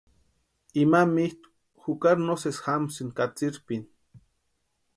Ima mitʼu jukari no sési jamsïnti katsïrhpini.